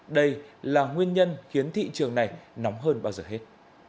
đây là nguyên nhân khiến thị trường này nóng hơn bao giờ hết